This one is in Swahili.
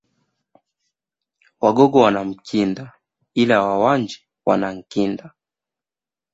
Wagogo wana Mkinda ila Wawanji wana Nkinda